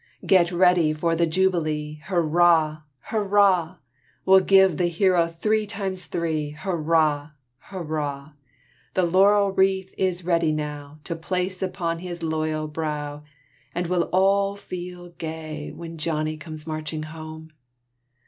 Get ready for the jubilee, Hurrah! hurrah! We'll give the hero three times three, Hurrah! hurrah! The laurel wreath is ready now To place upon his loyal brow, And we'll all feel gay, When Johnny comes marching home.